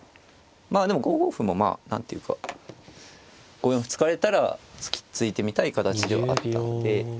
まあでも５五歩も何ていうか５四歩突かれたら突いてみたい形ではあったので。